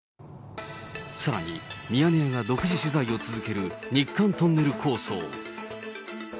さらに、ミヤネ屋が独自取材を続ける日韓トンネル構想。